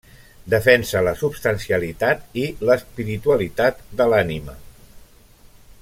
Defensa la substancialitat i l'espiritualitat de l'ànima.